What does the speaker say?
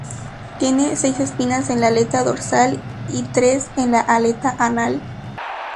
Tiene seis espinas en la aleta dorsal y tres en la aleta anal.